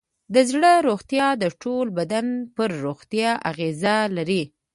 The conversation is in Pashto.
د زړه روغتیا د ټول بدن پر روغتیا اغېز لري.